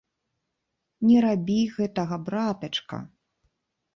Не рабі гэтага, братачка!